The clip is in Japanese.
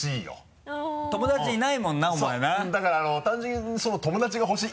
だから単純に友達がほしい！